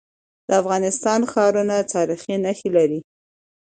د افغانستان ښارونه تاریخي نښي لري.